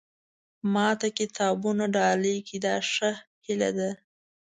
ما ته کتابونه ډالۍ کړي دا ښه هیله ده.